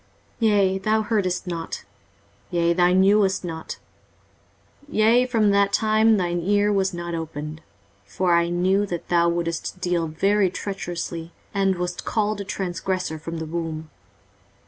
23:048:008 Yea, thou heardest not; yea, thou knewest not; yea, from that time that thine ear was not opened: for I knew that thou wouldest deal very treacherously, and wast called a transgressor from the womb.